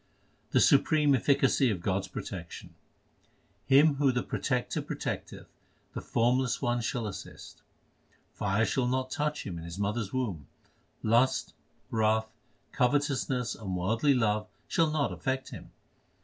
The supreme efficacy of God s protection : Him whom the Protector protecteth The Formless One will assist. Fire shall not touch him in his mother s womb ; Lust, wrath, covetousness, and worldly love shall not affect him.